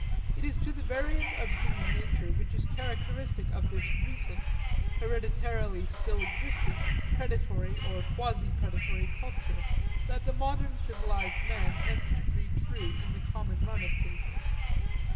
It is to the variant of human nature which is characteristic of this recent hereditarily still existing predatory or quasi predatory culture that the modern civilized man tends to breed true in the common run of cases.